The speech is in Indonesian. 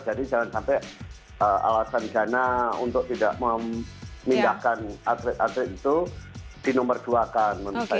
jadi jangan sampai alasan dana untuk tidak memindahkan atlet atlet itu dinumber dua kan menurut saya